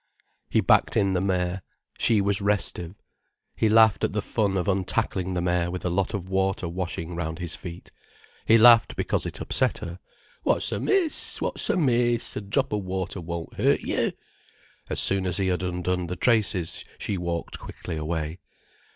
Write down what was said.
He backed in the mare. She was restive. He laughed at the fun of untackling the mare with a lot of water washing round his feet. He laughed because it upset her. "What's amiss, what's amiss, a drop o' water won't hurt you!" As soon as he had undone the traces, she walked quickly away.